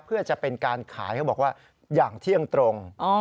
เพื่อจะเป็นการขายเขาบอกว่าอย่างเที่ยงตรง